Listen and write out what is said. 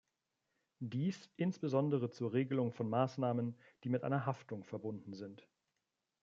Dies insbesondere zur Regelungen von Maßnahmen, die mit einer Haftung verbunden sind.